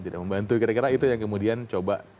tidak membantu kira kira itu yang kemudian coba